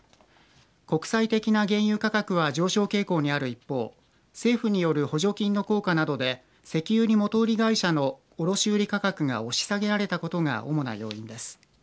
国際的な原油価格は上昇傾向にある一方政府による補助金の効果などで石油元売り会社の卸売価格が、押し下げられたことが主な要因です。